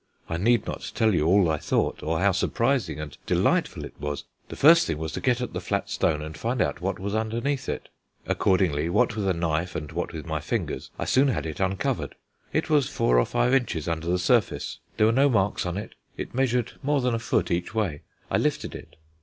I need not tell you all I thought, or how surprising and delightful it was. The first thing was to get at the flat stone and find out what was underneath it. Accordingly, what with a knife and what with my fingers, I soon had it uncovered: it was four or five inches under the surface. There were no marks on it; it measured more than a foot each way. I lifted it.